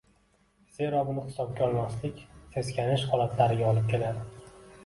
Zero buni hisobga olmaslik seskanish holatlariga olib keladi.